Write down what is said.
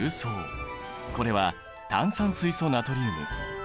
これは炭酸水素ナトリウム。